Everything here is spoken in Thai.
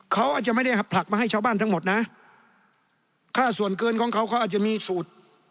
เขาอาจจะไม่ได้ผลักมาให้ชาวบ้านทั้งหมดนะค่าส่วนเกินของเขาเขาอาจจะมีสูตร